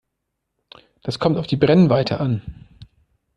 Das kommt auf die Brennweite an.